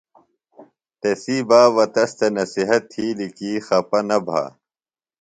تسی بابہ تس تھےۡ نصیحت تِھیلیۡ کی خپہ نہ بھہ۔